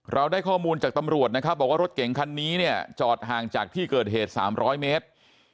เราได้ข้อมูลจากตำรวจนะครับบอกว่ารถเก่งคันนี้เนี่ยจอดห่างจากที่เกิดเหตุ๓๐๐เมตร